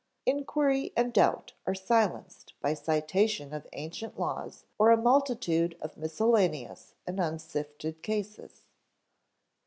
Inquiry and doubt are silenced by citation of ancient laws or a multitude of miscellaneous and unsifted cases.